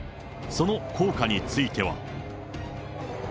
その効果については。